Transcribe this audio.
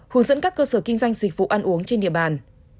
hướng dẫn các cơ sở kinh doanh dịch vụ ăn uống trên địa bàn